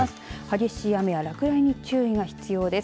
激しい雨や落雷に注意が必要です。